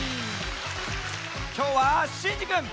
きょうはシンジくん！